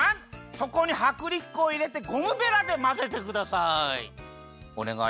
そこにはくりき粉をいれてゴムベラでまぜてください。